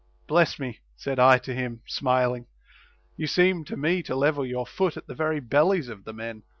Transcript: Bless me ! said I to him, smiling, you seem to me to level your foot at the very bellies of the men, and to * Odyss.